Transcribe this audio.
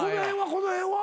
この辺は？